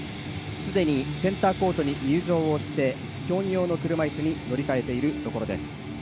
すでにセンターコートに入場して競技用の車いすに乗り換えています。